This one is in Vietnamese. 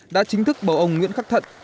đã chính thức bầu ông nguyễn khắc thận